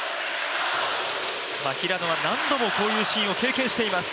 平野は何度もこういうシーンを経験しています。